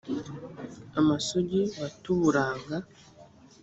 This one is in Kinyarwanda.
amasugi ba te uburanga